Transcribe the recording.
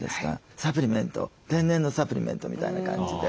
サプリメント天然のサプリメントみたいな感じで何かねいいですよね。